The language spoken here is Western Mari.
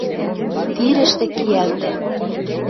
Тирӹштӹ киӓлтӓ